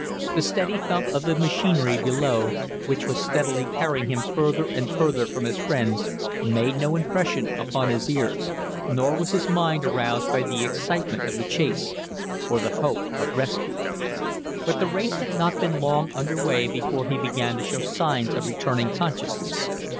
The steady thump of the machinery below, which was steadily carrying him further and further from his friends, made no impression upon his ears, nor was his mind aroused by the excitement of the chase or the hope of rescue. But the race had not been long under way before he began to show signs of returning consciousness.